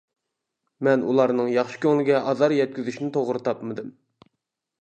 مەن ئۇلارنىڭ ياخشى كۆڭلىگە ئازار يەتكۈزۈشنى توغرا تاپمىدىم.